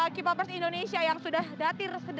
k popers indonesia yang sudah datir